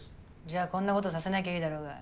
じゃあこんなことさせなきゃいいだろうが。